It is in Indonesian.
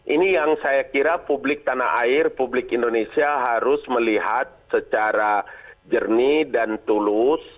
ini yang saya kira publik tanah air publik indonesia harus melihat secara jernih dan tulus